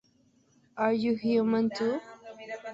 Are You Human Too?